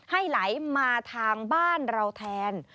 ให้ไหลมาทางบ้านเราแทน